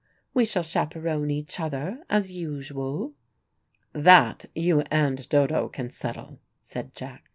"We shall chaperone each other, as usual." "That you and Dodo can settle," said Jack.